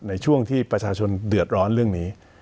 ในช่วงที่ประชาชนเดือดร้อนเรื่องนี้